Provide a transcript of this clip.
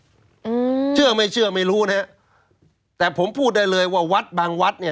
อืมเชื่อไม่เชื่อไม่รู้นะฮะแต่ผมพูดได้เลยว่าวัดบางวัดเนี้ย